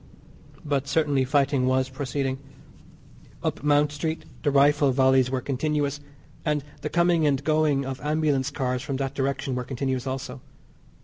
But certainly fighting was proceeding. Up Mount Street, the rifle volleys were continuous, and the coming and going of ambulance cars from that direction were continuous also.